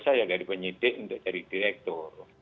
saya dari penyidik untuk jadi direktur